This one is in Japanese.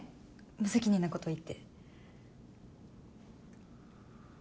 無責任な事言って。